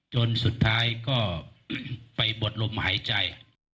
จนสุดท้ายก็ไปบดลมหายใจ